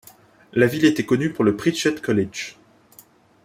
La ville était connue pour le Pritchett College.